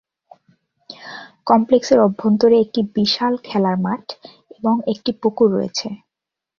কমপ্লেক্সের অভ্যন্তরে একটি বিশাল খেলার মাঠ এবং একটি পুকুর রয়েছে।